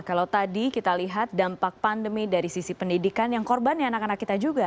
kalau tadi kita lihat dampak pandemi dari sisi pendidikan yang korbannya anak anak kita juga